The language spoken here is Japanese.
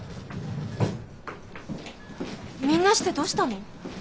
みんなしてどうしたの？